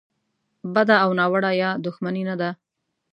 بده او ناوړه یا دوښمني نه ده.